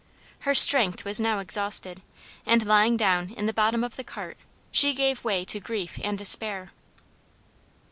Her strength was now exhausted, and, lying down in the bottom of the cart, she gave way to grief and despair.